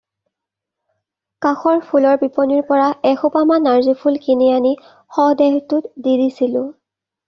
কাষৰ ফুলৰ বিপণিৰ পৰা এসোপামান নাৰ্জী ফুল কিনি আনি শ-দেহটোত দি দিছিলোঁ।